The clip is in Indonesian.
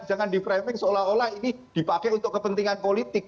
jangan di framing seolah olah ini dipakai untuk kepentingan politik